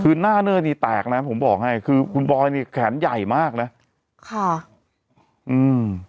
คือหน้าเนอร์นี่แตกนะผมบอกให้คือคุณบอยนี่แขนใหญ่มากนะค่ะอืม